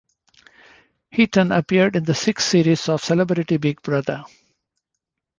Heaton appeared in the sixth series of "Celebrity Big Brother".